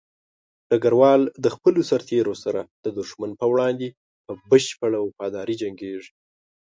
ډګروال د خپلو سرتېرو سره د دښمن په وړاندې په بشپړه وفاداري جنګيږي.